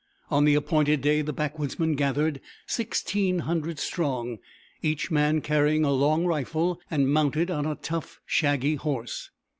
On the appointed day the backwoodsmen gathered sixteen hundred strong, each man carrying a long rifle, and mounted on a tough, shaggy horse.